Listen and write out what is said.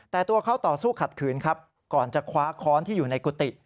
แต่ตัวเขาต่อสู้ขัดขืนครับก่อนจะคว้าค้อนที่อยู่ในกุฏิ